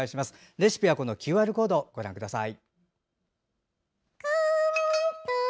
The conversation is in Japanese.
レシピはこのＱＲコードをご覧ください。